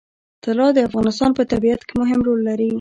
طلا د افغانستان په طبیعت کې مهم رول لري.